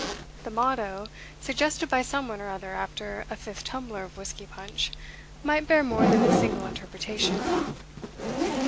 The motto, suggested by some one or other after a fifth tumbler of whisky punch, might bear more than a single interpretation.